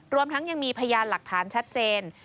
รวมทั้งยังมีพยานหลักฐานชัดเจน